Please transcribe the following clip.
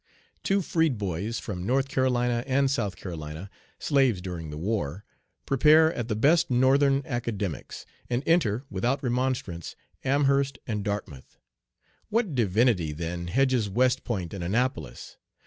Two freed boys, from North Carolina and South Carolina, slaves during the war, prepare at the best Northern academics, and enter, without remonstrance, Amherst and Dartmouth. What divinity, then, hedges West Point and Annapolis?